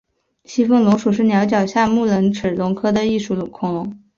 西风龙属是鸟脚下目棱齿龙科的一属恐龙。